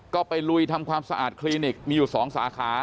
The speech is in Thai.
ก็ไปลุยทำความสะอาดคลินิกมีอยู่๒สาขา